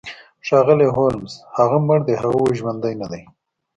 ښاغلی هولمز هغه مړ دی هغه اوس ژوندی ندی